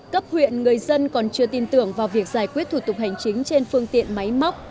cấp huyện người dân còn chưa tin tưởng vào việc giải quyết thủ tục hành chính trên phương tiện máy móc